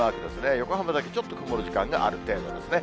横浜だけちょっと曇る時間がある程度ですね。